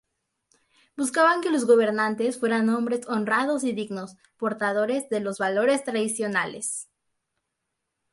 Buscaban que los gobernantes fueran hombres honrados y dignos portadores de los valores tradicionales.